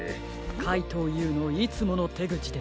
かいとうＵのいつものてぐちですね。